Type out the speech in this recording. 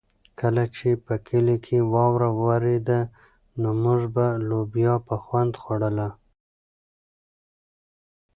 کله چې په کلي کې واوره ورېده نو موږ به لوبیا په خوند خوړله.